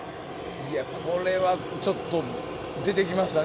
これはちょっと出てきましたね